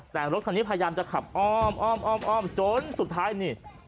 แต่รถคันนี้พยายามจะขับอ้อมอ้อมอ้อมจนสุดท้ายนี่